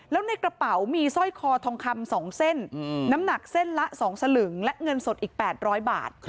แล้วในกระเป๋ามีสร้อยคอทองคำ๒เส้นน้ำหนักเส้นละ๒สลึงและเงินสดอีก๘๐๐บาท